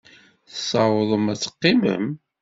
Tessawḍem ad teqqimem?